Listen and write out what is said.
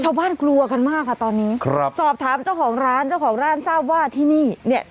กลัวกันมากค่ะตอนนี้ครับสอบถามเจ้าของร้านเจ้าของร้านทราบว่าที่นี่เนี่ย